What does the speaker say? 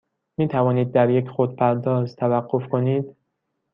می توانید در یک خودپرداز توقف کنید؟